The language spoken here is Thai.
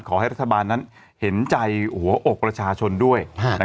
ขอให้รัฐบาลนั้นเห็นใจหัวอกประชาชนด้วย